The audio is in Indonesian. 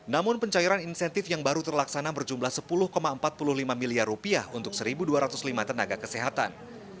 namun pencairan insentif yang baru terlaksana berjumlah sepuluh empat puluh lima miliar untuk satu dua ratus lima tenaga kesehatan